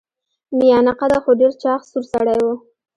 میانه قده خو ډیر چاغ سور سړی و.